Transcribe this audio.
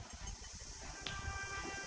kau langsung selesai berwawahan